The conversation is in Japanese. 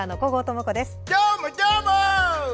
どーも、どーも！